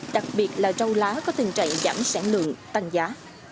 đặc biệt là rau lá có tình trạng giảm sản lượng tăng giá